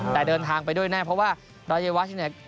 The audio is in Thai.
แต่เดินทางไปด้วยแน่เพราะว่ารายวัชเนี่ย